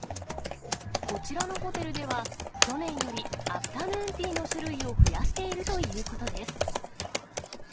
こちらのホテルでは、去年よりアフタヌーンティーの種類を増やしているということです。